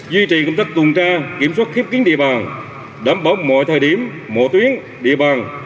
duy trì công tác tuần tra kiểm soát khép kiến địa bàn đảm bảo mọi thời điểm mọi tuyến địa bàn